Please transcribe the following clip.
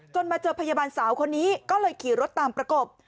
มาเจอพยาบาลสาวคนนี้ก็เลยขี่รถตามประกบ